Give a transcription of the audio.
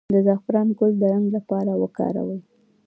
د زعفران ګل د رنګ لپاره وکاروئ